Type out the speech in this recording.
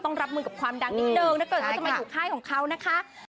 ก็ต้องรับมือกับความดังอีกเดิมถ้าเกิดจะมาอยู่ใคร้ของเขานะคะ